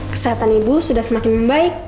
kesehatan ibu sudah semakin membaik